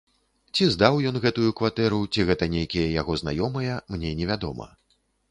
Ці здаў ён гэтую кватэру, ці гэта нейкія яго знаёмыя, мне невядома.